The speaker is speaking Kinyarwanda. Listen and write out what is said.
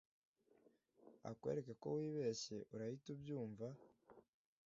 akwereke ko wibeshye urahita ubyumva